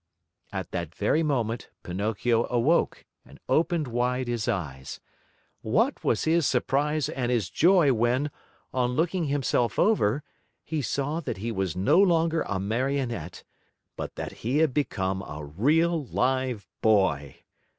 At that very moment, Pinocchio awoke and opened wide his eyes. What was his surprise and his joy when, on looking himself over, he saw that he was no longer a Marionette, but that he had become a real live boy!